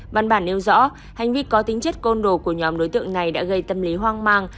văn bản nêu rõ hành vi có tính chất côn đồ của nhóm đối tượng này đã gây tâm lý hoang mang